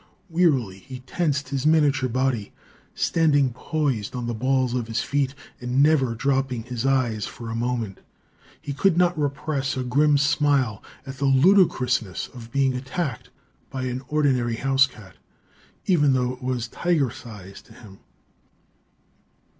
Wearily he tensed his miniature body, standing poised on the balls of his feet and never dropping his eyes for a moment. He could not repress a grim smile at the ludicrousness of being attacked by an ordinary house cat, even though it was tiger sized to him.